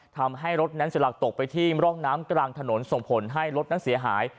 ทำให้รถนั้นเสียหลักตกไปที่ร่องน้ำกลางถนนส่งผลให้รถนั้นเสียหาย